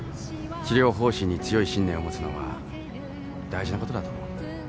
治療方針に強い信念を持つのは大事なことだと思う。